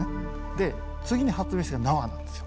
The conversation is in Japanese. で次に発明したのが縄なんですよ。